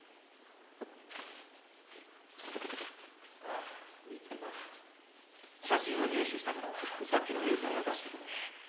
ああみつけた写真を入手したからさっきの映像を出してくれ。